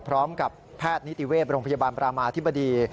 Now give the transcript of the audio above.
พร้อมกับแพทย์นิติเวศโรงพยาบาลประมาธิบดี